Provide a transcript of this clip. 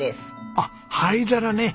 あっ灰皿ね。